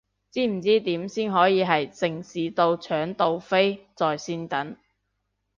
知唔知點先可以係城市到搶到飛在線等？